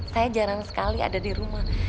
saya jarang sekali ada di rumah